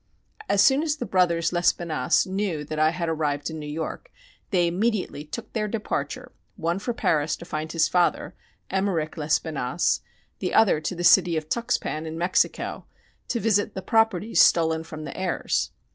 As soon as the brothers Lespinasse knew that I had arrived in New York they immediately took their departure, one for Paris to find his father, Emmeric Lespinasse, the other to the city of Tuxpan, in Mexico, to visit the properties stolen from the heirs.